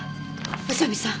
宇佐見さん